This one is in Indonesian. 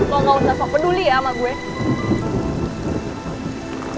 lo gak usah peduli ya sama gue